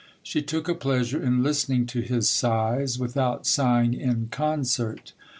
She took a pleasure in listening to his sighs, without sighing in concert.